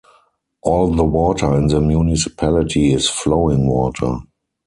All the water in the municipality is flowing water.